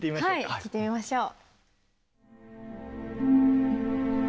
はい聴いてみましょう。